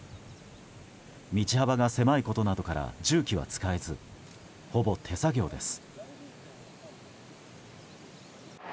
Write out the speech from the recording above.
道幅が狭いことなどから重機は使えず、ほぼ手作業です。